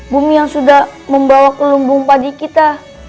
bumi yang sudah membawa ke lumbung padi kita